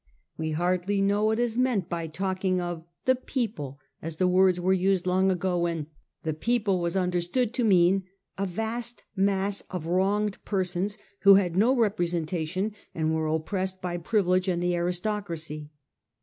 We hardly know what is meant by talking of ' the people ' as the words were used long ago when ' the people ' was understood to mean a vast mass of wronged persons who had no representation and were oppressed by privilege and the aristocracy.